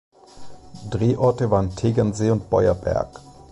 Drehorte waren Tegernsee und Beuerberg.